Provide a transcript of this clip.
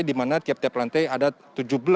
di mana tiap tiap lantai ada empat tower